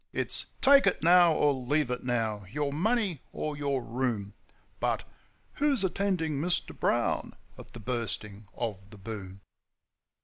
It's 'Take it now or leave it now;' 'your money or your room;' But 'Who's attending Mr. Brown?' at the Bursting of the Boom.